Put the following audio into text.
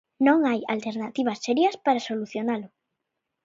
Non hai alternativas serias para solucionalo.